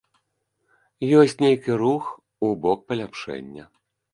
Ёсць нейкі рух у бок паляпшэння.